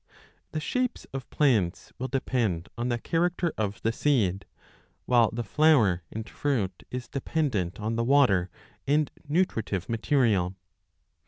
The shapes of plants will depend on the character l of the seed, while the flower and fruit is dependent on the water and nutritive material.